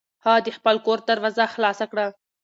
هغه د خپل کور دروازه خلاصه کړه.